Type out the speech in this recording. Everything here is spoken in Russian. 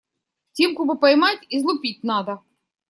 Тимку бы поймать, излупить надо.